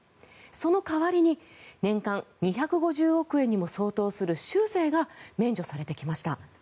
その代わりに年間２５０億円にも相当する州税が免除されてきました。